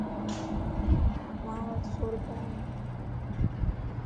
ماوٽ سوروپيا ان